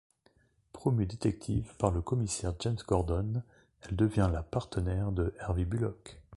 Promue détective par le commissaire James Gordon, elle devient la partenaire de Harvey Bullock.